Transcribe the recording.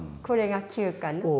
これが９かな。